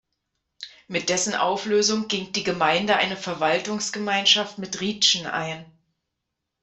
Mit dessen Auflösung ging die Gemeinde eine Verwaltungsgemeinschaft mit Rietschen ein.